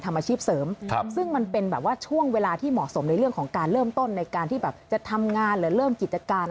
สดหรือเปล่าสดแล้วมีคู่หรือเปล่าก็ไม่รู้